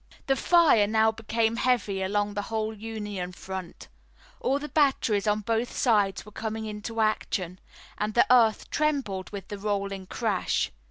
The fire now became heavy along the whole Union front. All the batteries on both sides were coming into action, and the earth trembled with the rolling crash.